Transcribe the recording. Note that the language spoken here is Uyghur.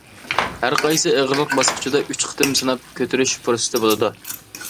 ھەرقايسى ئېغىرلىق باسقۇچىدا ئۈچ قېتىم سىناپ كۆتۈرۈش پۇرسىتى بولىدۇ.